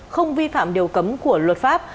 không vi phạm điều cấm của luật pháp